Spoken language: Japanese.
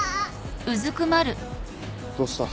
どうした？